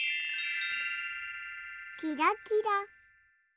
キラキラ。